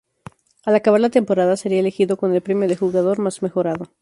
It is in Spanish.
Al acabar la temporada sería elegido con el premio de Jugador Más Mejorado.